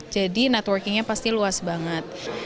jadi networkingnya pasti luas banget